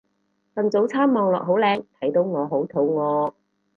份早餐望落好靚睇到我好肚餓